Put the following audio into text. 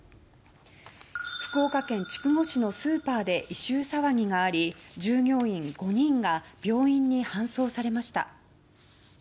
福岡県筑後市のスーパーで異臭騒ぎがあり従業員５人が病院に搬送されました。